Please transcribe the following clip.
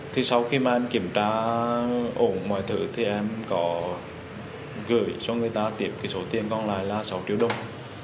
thì sau khi mà em kiểm tra ổn mọi thứ thì em có gửi cho người ta tiệm cái số tiền còn lại là sáu triệu đồng